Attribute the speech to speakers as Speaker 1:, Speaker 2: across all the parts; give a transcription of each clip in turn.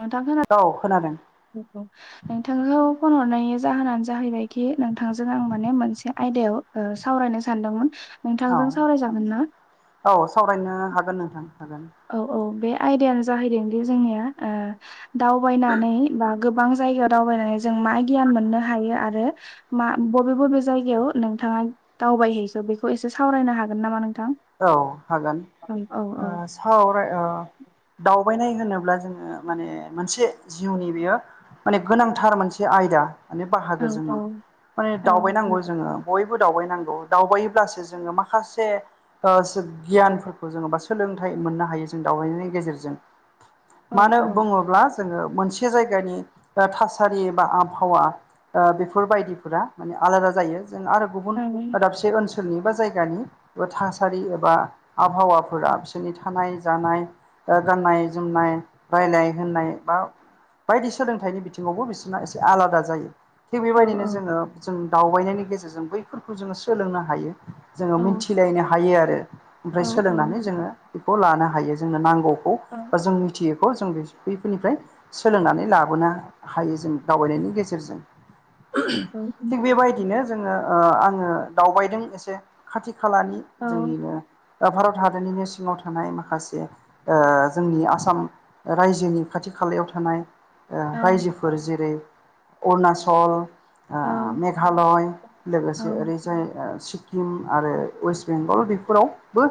Speaker 1: नोंथांखौ
Speaker 2: औ खोनादों
Speaker 1: नोंथांखौ फन हर नायनि जाहोनानो जाहैबायखि नोंथांजों आं माने मोनसे ओ आयदायाव सावरायनो सानदोंमोन?
Speaker 2: औ
Speaker 1: नोंथांजों सावरायजागोन ना
Speaker 2: औ सावरायनो हागोन नोंथां हागोन।
Speaker 1: औ औ बे आयदानो जाहैदों दि जोंनिया ओ दावबायनानै बा गोबां जायगायाव दावबायनानै जों मा गियान मोननो हायो आरो मा बबे बबे जायगायाव नोंथाङा दावबायहैस बे खौ एसे सावरायनो हागोन नामा नों?
Speaker 2: औ हागोन ओ
Speaker 1: औ
Speaker 2: सावराय ओ दावबायनाय होनोब्ला जोङो माने मोनसे जिउनि बेयो माने गोनांथार मोनसे आयदायाव दा माने
Speaker 1: औ
Speaker 2: बाहागो जोंनि माने
Speaker 1: औ
Speaker 2: दावबायनांगौ जोङो बय बो दावबायनांगौ दावबायोब्लासो जोङो माखासे गियानफोरखौ जोङो बा सोलोंथाइ मोननो हायो जों दावबायनायनि गेजेरजों
Speaker 1: औ
Speaker 2: मानो
Speaker 1: औ
Speaker 2: बुङोब्ला जोङो मोनसे जायगानि थासारि एबा आबहावा ओ बेफोरबायायदिफोरा माने आलादा जायो। जों आरो गुबुन
Speaker 1: औ
Speaker 2: दाबसे ओनसोलनि बा जायगानि। थासारि एबा आबहावाफोरा बिसोरनि थानाय जानाय गाननाय जोमनाय रायलाय होननाय बा। बायदि सोलोंथाइनि बिथिङावबो बिसोरना एसे आलादा जायो थिग
Speaker 1: औ
Speaker 2: बेबायदिनो जोङो जों दावबायनायनि गेजेरजों बैफोरखौ जोङो सोलोंनो हायो जोङो मिथि सिलायनो
Speaker 1: औ
Speaker 2: हायो आरो ओमफ्राय सोलोंनानै जोङो बेखौ लानो हायो जोंनो नांगौ खौ जों मिथियैखौ जों बैफोरनिफ्राय सोलोंनानै लाबोनो हायो जों दावबायनायनि गेजेरजों
Speaker 1: औ
Speaker 2: थिग बेबायदिनो जोङो आङो दावबायदों एसे खाथि। खाथि खालानि
Speaker 1: औ
Speaker 2: जोंनिनो ओ भारत हादरनिनो सिङाव थानाय माखासे ओ
Speaker 1: औ
Speaker 2: जोंनि आसाम रायजोनि खाथि खालायाव थानाय
Speaker 1: औ
Speaker 2: रायजोफोर जेरै अरुणाचल ओ
Speaker 1: औ
Speaker 2: मेघालय
Speaker 1: औ
Speaker 2: लोगोसे ओरैजाय ओ सिक्किम आरो वेस्ट बेंगल बेफोरावबो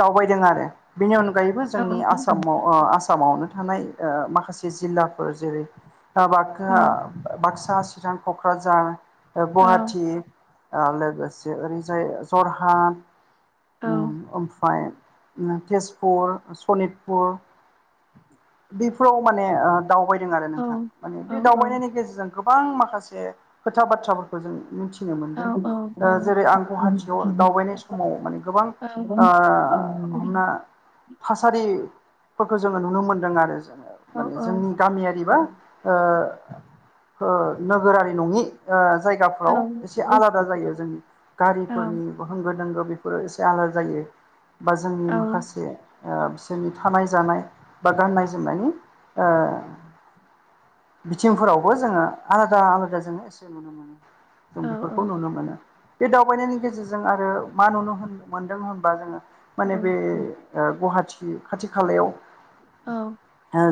Speaker 2: दावबायदों आरो बेनि अनगा अनगायैबो
Speaker 1: औ
Speaker 2: जोंनि आसामाव ओ आसामावनो थानाय ओ माखासे जिल्लाफोर जेरै
Speaker 1: औ औ
Speaker 2: बाक्सा चिरां क'क्राझार गुवाहाटी लोगोसे ओरैजाय जरहात ओमफ्राय तेजपुर सनितपुर बेफोराव माने। दावबायदों आरो नोंथां माने बे दावबायनायनि गेजेरजों। गोबां माखासे खोथा बाथ्राफोरखौ जों मिथि फथिनो मोनदों जेरै आं गुवाहाटियाव दावबायनाय समाव माने गोबां ओ हमना थासारि फोरखौ जोङो नुनो मोनदों आरो जोङो माने जोंनि गामियारिबा ओ‌। नोगोरारि नङि ओ जायगाफ्राव एसे आलादा जायो जों
Speaker 1: औ
Speaker 2: गारिफोरनि दोंगौ बेफोरो एसे आदा जायो बा जोंनि माखासे। बिसोरनि थानाय जानाय बा गाननाय जोमनायनि ओ बिथिंफोरावबो जोङो आलादा आलादा जोंङ एसे नुनो मोनो। जों बेफोरखौ नुनो मोनो बे दावबायनायनि गेजेरजों जों आरो मा नुनो मोनदों होनबा जोङो माने बे गुवाहाटी खा खाथि खालायाव।
Speaker 1: औ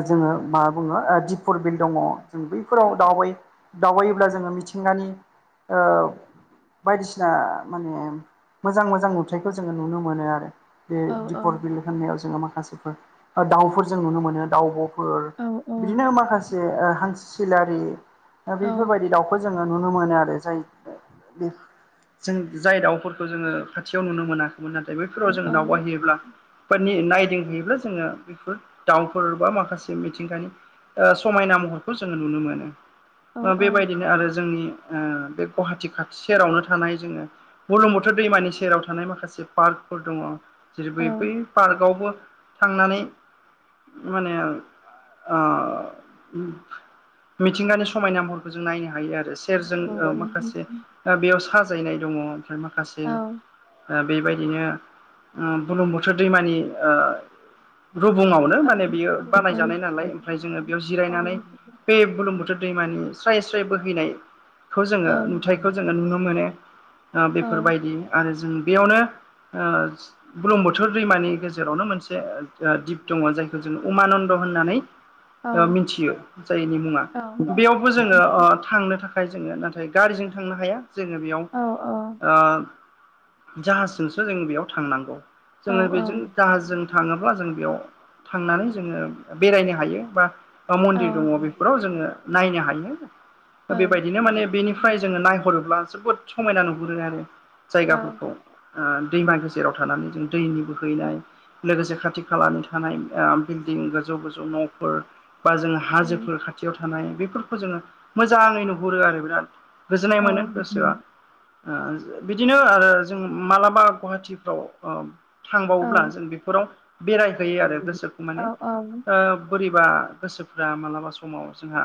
Speaker 2: जोङो मा बुङो दिपुर बिल दङ जों बैफोराव दावबाय दावबायोब्ला जोङो मिथिंगानि बायदिसिना माने मोजां मोजां नुथायखौ जोङो नुनो मोनो आरो बे दिपर बिल होननायाव जोङो माखासे माखासेफोर दाउफोर जों नुनो मोनो दाउब'फोर बिदिनो माखासे जे हांसो सिलारि बेफोरबायदि दाउखौ जोङो नुनो मोनो आरो जाय जों जाय दाउफोरखौ जोङो खाथियाव नुनो मोना नाथाय बैफोराव जों दावबायहैयोब्ला बेफोरनि गिदिंहैयोब्ला जोङो बेफोर दाउफोर बा माखासे मिथिंगानि ओ समायना महरखौ जोङो नुनो मोनो ओ बेबायदिनो आरो जोंनि ओ बे गुवाहाटि खाथि सेरावनो थानाय जोङो बाथौ दैमानि सेराव थानाय माखासे पार्कफोर दङ जेरै ब बै पार्कआवबो। थांनानै माने ओ मिथिंगानि समायना महरखौ जों नायनो हायो आरो सेरजों माखासे बेयाव साजायनाय दङ ओमफ्राय माख
Speaker 1: औ
Speaker 2: बेबायदिनो बुलुंबुथोर दैमानि रुबुङावनो माने बियो बानायजानाय नालाय ओमफ्राय जोङो बेयाव जिरायनानै बे बुलुं बोथोर। बै माने स्राय स्राय बोहैनाय खौ जोङो नुथायखौ जोङो नुनो मोनो बेफोरबायदि आरो जों बेयावनो ओ बुर्लुंबुथुर दैमानि गेजेरावनो मोनसे दिप दङ जायखौ जों उमानन्द होन्नानै मिथियो जायनि मुङा बेयावबो जोङो थांनो थाखाय। जोङो नाथाय गारिजों थांनो हाया जोङो बेयाव ओ जाहाजजोंसो जों बेयाव थांनांगौ जोङो बेजों जाहाजजों थाङोब्ला जों बेयाव थांनानै जोङो बेरायनो हायो बा। मन्दिर दङ बेफोराव जोङो नायनो हायो बेबायदिनो माने बेनिफ्राय जोङो नायहरोब्ला जोबोद समायना नुहुरो आरो
Speaker 1: औ
Speaker 2: जायगाफोरखौ दैमा गेजेराव थानानै जों दैनि
Speaker 1: औ
Speaker 2: बोहैनाय लोगोसे खाथि खालानि थानाय ओ बिल्डिं गोजौ गोजौ न'फोर बा जों
Speaker 1: औ
Speaker 2: हाजोफोर खाथियाव थानाय थानाय बेफोरखौ जोङो मोजाङै नुहुरो आरो बिराद गोजोननाय
Speaker 1: औ
Speaker 2: मोनो गोसोआ बिदिनो आरो जों मालाबा गुवाहाटिफ्राव
Speaker 1: औ
Speaker 2: थांबावोब्ला जों बेफोराव बेरायहोयो आरो गोसो खौ
Speaker 1: औ
Speaker 2: माने ओ गोरिब बा गोसोफ्रा मालाबा समाव जोंहा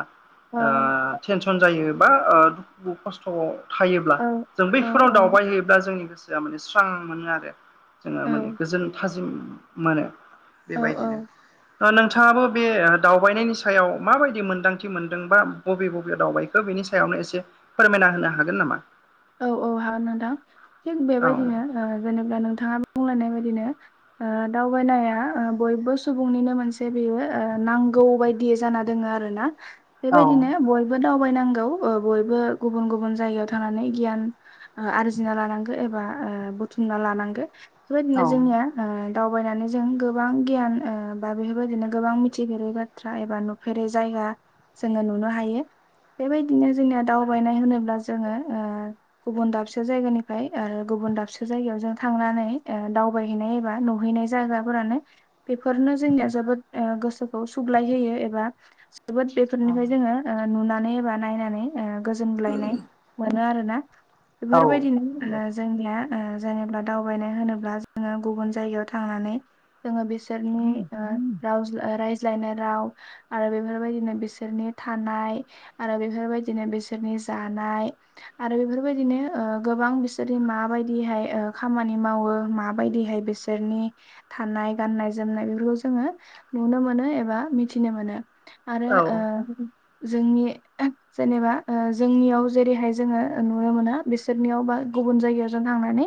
Speaker 1: औ
Speaker 2: ओ टेनसन जायो बा ओ दुखु खस्थ' थायोब्ला जों
Speaker 1: औ
Speaker 2: बैफोराव दाव जोंनि गोसोआ माने स्रां मोनो आरो जोङो माने गोजोन थाजिम मोनो
Speaker 1: औ औ
Speaker 2: बेबायदिनो नोंथाङाबो बे दावबायनायनि सायाव माबायदि मोनदांथि मोनदोंबा बबे बबे दावबायखो बेनि नि सायावनो एसे फोरमायना होनो हागोन नामा
Speaker 1: औ औ हागोन नोंथां थिग
Speaker 2: औ
Speaker 1: बेबायदिनो ओ जेनेबा नोंथाङा बुंलायनाय बायदि ओ दावबायनाया बयबो सुबुंनिनो मोनसे बेयो ओ नांगौ बायदि बि जाना दोङो आरो ना
Speaker 2: औ
Speaker 1: बेबायदिनो बयबो दावबायनांगौ ओ बयबो गुबुन गुबुन जायगायाव थानानै गियान आरजिना लानांगो एबा ओ बुथुमना लानांगो बेबायदिनो जोंनिया ओ दावबायनानै जों गोबां गियान ओ बा बेफोरबायदिनो गोबां मिथिफेरै बाथ्रा एबा नुफेरै जायगा जोङो नुनो हायो बेबायदिनो जोंनिया दावबायनाय होनोब्ला जोङो ओ गुबुन दाबसे जायगानिफ्राय ओ गुबुन दाबसे जायगायाव जों थांनानै दावबायहैनाय एबा सहैनाय जायगाफोरानो बेफोरनो जोंनिया जोबोद ओ गोसोखौ सुग्लाय होयो एबा जोबोद बेफोरनिफ्राय जोङो ओ नुनानै एबा नायनानै ओ गोजोनग्लायनाय मोनो आरोना बेफोरबायदिनो जोंनिया जेनेबा दावबायनाय होनोब्ला जोङो गुबुन जायगायाव थांनानै जोङो बिसोरनि रायज्लायनाय राव आरो बेफोरबायदिनो बिसोरनि थानाय आरो बे बेफोरबायदिनो बिसोरनि जानाय आरो बेफोर बेबायदिनो ओ गोबां बिसोरनि माबायदिहाय ओ खामानि मावो माबायदिहाय बिसोरनि थानाय गाननाय जोमनाय बेफोरखौ जोङो नुनो मोनो एबा मिथिनो मोनो आरो ओ जोंनि जेनेबा ओ जोंनियाव जेरैहाय जोङो नुनो मोना बिसोरनियाव बा गुबुन जायगायाव जों थांनानै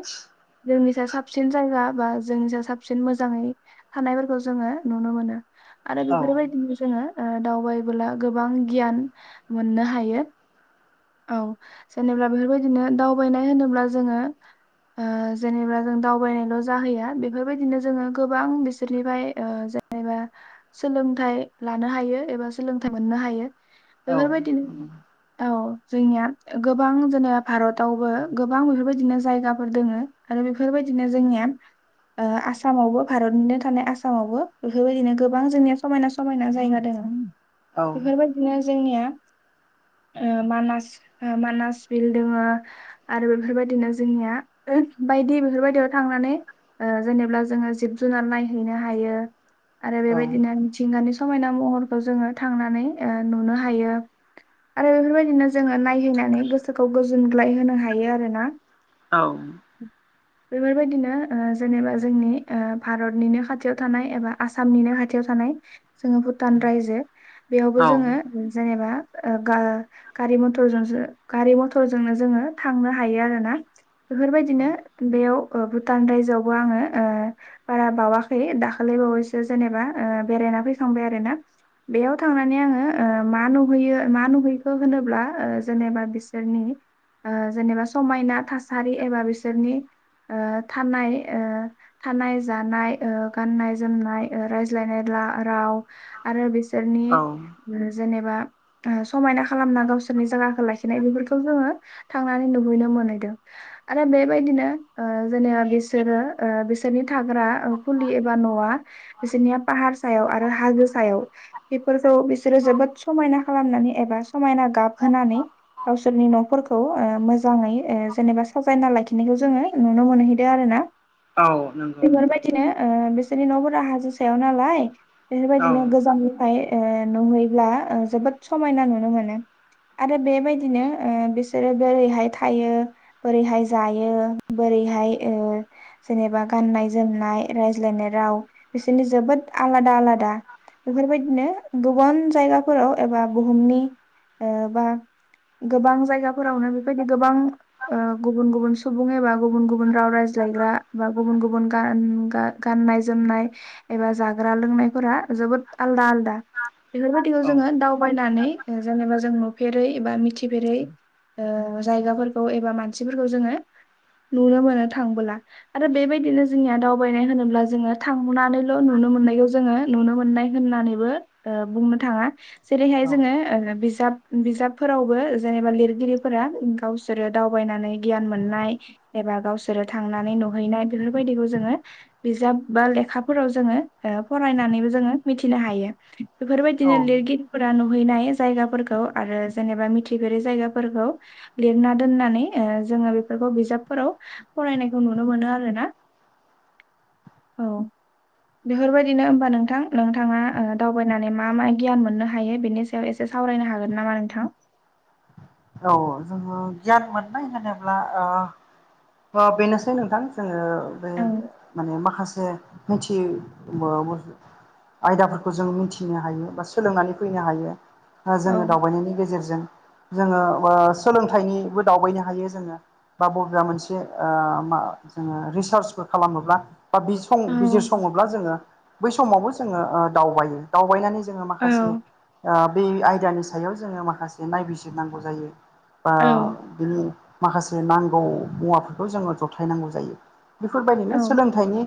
Speaker 1: जोंनि सायाव साबसिन जायगा बा जोंनि सायाव साबसिन मोजाङै थानायफोरखौ जोङो नुनो मोनो आरो बेफोरबायदिनो जोङो ओ दावबायबोला गोबां गियान मोननो हायो औ जेनेबा बेफोरबायदिनो दावबायनाय होनोब्ला जोङो ओ जेनेबा जों दावबायनायल जाहैया बेफोरबायदिनो जोङो गोबां बिसोरनिफ्राय ओ जेनेबा सोलोंथाइ लानो हायो एबा सोलोंथाइ मोननो हायो। बेफोरबायदिनो औ जोंनिया गोबां जोंनिया भारतावबो गोबां बेफोरबायदिनो जायगाफोर दोङो आरो बेफोरबायदिनो जोंनिया [unintelligible] ओ आसामावबो भारतनिनो थानाय आसामावबो बेफोरबायदिनो गोबां जोंनिया समायना समायना जायगा दङ। बेफोरबायदिनो जोंनिया ओ मानास ओ मानास बिल दोङो आरो बेफोरबायदिनो जोंनिया ओ बायदि बेफोरबायदियाव थांनानै ओ जेनेबा जोङो जिब जुनार नायहैनो हायो आरो बेबायदिनो मिथिंगानि समायना महरखौ जोङो थांनानै ओ नुनो हायो आरो बेफोरबायदिनो जोङो नाय फैनानै गोसोखौ गोजोनग्लाय होनो हायो आरो ना
Speaker 2: औ
Speaker 1: बेफोरबायदिनो ओ जेनेबा जोंनि ओ भारतनिनो खाथियाव थानाय एबा आसामनिनो खाथ थियाव थानाय जोङो भुटान रायजो बेयावबो जोङो जेनेबा ओ गा गारि मथर जों गारि मथरजोंनो जोङो थांनो हायो आरो ना बेफोरबायदिनो बेयाव ओ भुटान रायजोआवबो आङो ओ बारा बावाखै दाखालि बावैसो जेनेबा ओ बेरायना फैखां आरोना। बेयाव थांनानै आङो मा नुहैयो मा नुहैखो होनोब्ला ओ जेनेबा बिसोरनि ओ जेनेबा समायना थासारि एबा बिसोरनि ओ थानाय ओ थानाय जानाय ओ गाननाय जोमनाय ओ रायज्लायनाय राव आरो बिसोरनि जेनेबा समायना खालामना गावसोरनि जाया लाखिनाय बेफोरखौ जोङो थांनानै नुहैनो मोनहैदों। आरो बेबायदिनो ओ जेने बिसोरो बिसोरनि थाग्रा फुलि एबा न आ बिसोरनिया फाहार सायाव आरो हाजो सायाव बेफोरखौ बिसोरो जोबोद समायना खालामनानै एबा समायना गाबहोनानै गावसोरनि नफोरखौ ओ मोजाङै ओ जेनेबा साजायना लाखिनायखौ जोङो नुनो मोनहैदों आरो ना।
Speaker 2: औ नोंगौ।
Speaker 1: बेफोरबायदिनो ओ बिसोरनि नफोरा हाजो सायाव नालाय
Speaker 2: औ
Speaker 1: बेफोरबायदिनो गोजाननिफ्राय ए नुहैब्ला ओ जोबोद समायना नुनो मोनो आरो बेबायदिनो ओ बिसोरो बोरैहाय थायो बोरैहाय जायो बोरैहाय ओ जेनेबा गाननाय जोमनाय रायज्लायनाय राव बिसोरनि जोबोद आलादा आलादा। बेफोरबायदिनो गुबुन जायगाफोराव एबा बुहुमनि ओ बा गोबां जायगाफोरावनो बेबायदि गोबां ओ गुबुन गुबुन सुबुं एबा गुबुन गुबुन राव रायज्लायग्रा बा गुबुन गुबुन गान गाननाय जोमनाय एबा जाग्रा लोंनायफोरा जोबोद आलदा आलदा बेफोरबायदिखौ
Speaker 2: औ
Speaker 1: जोङो दावबायनानै जेनेबा जों नुफेरै एबा मिथिफेरै ओ जायगाफोरखौ एबा मानसिफोरखौ जोङो नुनो मोनो थांबोला आरो बेबायदिनो जोंनिया दावबायनाय होनोब्ला जोङो थांनानै नुनो मोननायखौ जोङो नुनो मोननाय होननानैबो ओ बुंनो थाङा। जेरैहाय
Speaker 2: औ
Speaker 1: जोङो बिजाब बिजाब फोरावबो जेनेबा लिरगिरिफोरा गावसोरो दावबायनानै गियान मोननाय एबा गावसोरो थांनानै नुहैनाय बेफोरबायदिखौ जोङो बिजाब बा लेखाफोराव जोङो ओ फरायनानै जोङो मिथिनो हायो बेफोरबायदिनो
Speaker 2: औ
Speaker 1: लिरगफोरा नुहैनाय जायगाफोरखौ आरो जेनेबा मिथिफेरै जायगाफोरखौ लिरना दोननानै ओ जोङो बेफोरखौ बिजाबफोराव फरायनायखौ नुनो मोनो आरो ना औ। बेफोरबायदिनो होमबा नोंथां नोंथाङा दावबायनानै मा मा गियान मोननो हायो बेनि सायाव एसे सावरायनो हागोन नामा नोंथां?
Speaker 2: औ जोङो गियान मोननाय होनोब्ला ओ बा बेनोसै नोंथां जोङो बे
Speaker 1: औ
Speaker 2: माने माखासे मोनथियो उमावमासो आयदाफोरखौ जों मिथिनो हायो बा सोलोंनानै फैनो हायो। आ
Speaker 1: औ
Speaker 2: जोङो दावबायनायनि गेजेरजों जोङो ओ सोलोंथाइ जोङो रिसार्चफोर खालामोब्ला बा बिसं
Speaker 1: औ
Speaker 2: बिजिर सङोब्ला जोङो बै समावबो जोङो दावबायो दावबायनानै जोङो
Speaker 1: औ
Speaker 2: माखासे ओ बे आयदानि सा बा
Speaker 1: औ
Speaker 2: बिनि माखासे नांगौ मुवाफोरखौ जोङो जथायनांगौ जायो बेफोरबायदिनो सोलोंथाइनि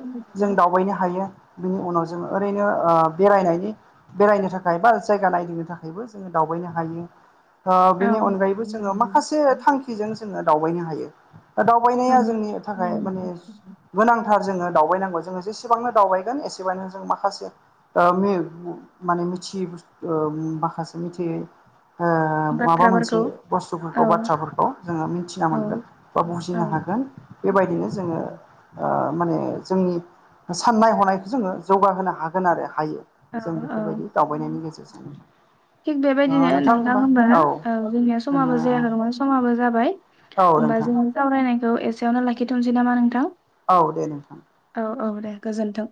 Speaker 2: बिनि उनाव जोङो ओरैनो ओ बेरायनायनि बेरायनो थाखाय बा जायगा नायदिंनो थाखायबो जोङो दावबाय बायनो हायो ओ
Speaker 1: औ
Speaker 2: बेनि अनगायैबो जोङो माखासे थांखिजों जोङो दावबायनो हायो
Speaker 1: औ
Speaker 2: दा जोङो दावबायनांगौ जोङो जसेबांनो दावबायगोन एसेबांनो जों माखासे ओ माने थि बुस ओ माखासे मिथि ओ माबा मोनसे
Speaker 1: बाथ्राफोरखौ औ
Speaker 2: बुस्थुफोरखौ बाथ्राफोरखौ जोङो मिथिना
Speaker 1: औ
Speaker 2: मोनगोन बा
Speaker 1: औ
Speaker 2: बुजिनो हागोन बेबायदिनो बेबायदिनो जोङो ओ माने जोंनि साननाय हनायखौ जोङो जौगाहोनो हागोन आरो हायो
Speaker 1: औ
Speaker 2: जों
Speaker 1: औ
Speaker 2: बेफोरबायदि दावबायनायनि गेजेरजों ओ नोंथां होनबा
Speaker 1: ओ
Speaker 2: औ
Speaker 1: जोंनि
Speaker 2: औ
Speaker 1: समाबो जाया नङा समाबो जाबाय होमबा
Speaker 2: नोंथां
Speaker 1: जोंनि सावरायनायखौ ए एसेयावनो लाखिथनोसै नामा नोंथां
Speaker 2: औ दे नोंथां
Speaker 1: गोजोनथों